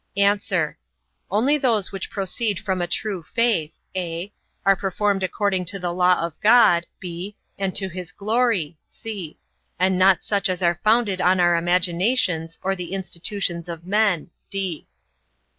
A. Only those which proceed from a true faith, (a) are performed according to the law of God, (b) and to his glory; (c) and not such as are founded on our imaginations, or the institutions of men.